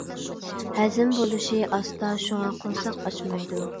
ھەزىم بولۇشى ئاستا، شۇڭا قورساق ئاچمايدۇ.